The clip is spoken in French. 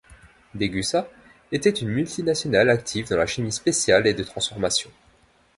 Degussa était une multinationale active dans la chimie spéciale et de transformation.